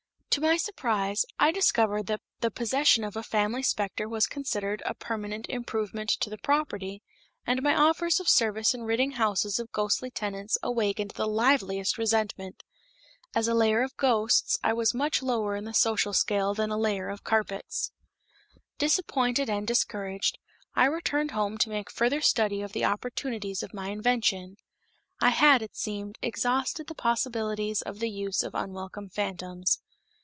To my surprise, I discovered that the possession of a family specter was considered as a permanent improvement to the property, and my offers of service in ridding houses of ghostly tenants awakened the liveliest resentment. As a layer of ghosts I was much lower in the social scale than a layer of carpets. Disappointed and discouraged, I returned home to make a further study of the opportunities of my invention. I had, it seemed, exhausted the possibilities of the use of unwelcome phantoms.